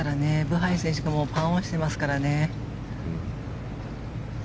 ブハイ選手がパーオンしてますからね。